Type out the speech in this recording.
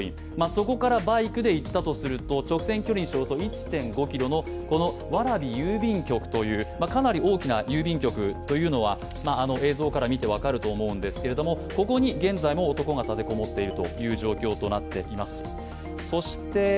そこからバイクで行ったとすると直線距離にすると１．５ｋｍのこの蕨郵便局というかなり大きな郵便局というのは映像からみて分かると思うんですけど、ここに現在も男が立て籠もっている状況となっています。